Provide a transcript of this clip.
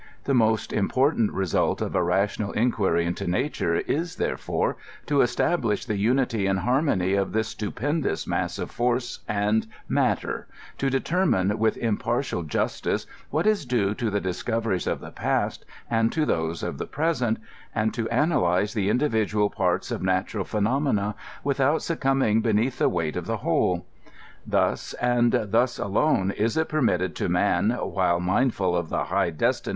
The most important result of a rationial inquiry pito nature is, therefore, to establish the unity and harmony of this stupendous mass of £3rce and mat ter, to determine with impartial justice what ia due to the discoveries of the past and to those of the present, and to an alyze the individual parts of natural phenomena without suo cumbing beneath the weight of the whole. Thus, and thus alone, is it pennitted to man, while mindfiil of the high des INTRODUCTION.